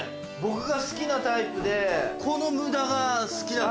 僕が好きなタイプでこの無駄が好き。